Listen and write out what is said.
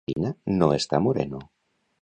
El novio de la Marina no està moreno.